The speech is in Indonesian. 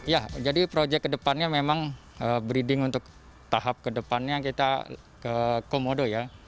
ya jadi proyek kedepannya memang breeding untuk tahap kedepannya kita ke komodo ya